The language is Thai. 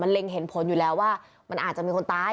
เล็งเห็นผลอยู่แล้วว่ามันอาจจะมีคนตาย